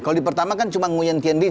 kalau di pertama kan cuma nguyen tien lin